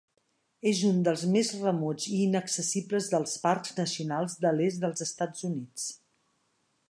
És un dels més remots i inaccessibles dels parcs nacionals de l'est dels Estats Units.